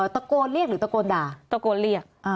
ตะโกนเรียกหรือตะโกนด่าตะโกนเรียก